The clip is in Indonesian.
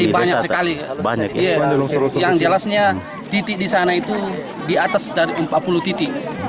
banyak sekali yang jelasnya titik di sana itu di atas dari empat puluh titik